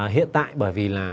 hiện tại bởi vì là